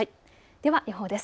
では予報です。